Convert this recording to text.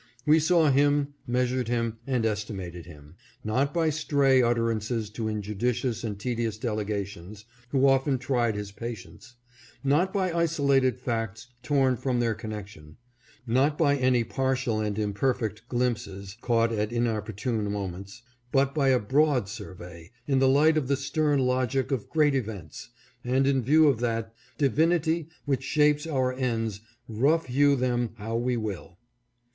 We saw him, measured him, and estimated him ; not by stray utterances to injudicious and tedious delegations, who often tried his patience ; not by isolated facts torn from their connection ; not by any partial and imperfect glimpses, caught at inopportune moments; but by a broad survey, in the light of the stern logic of great events, and in view of that " divinity which shapes our ends, rough hew them how we will."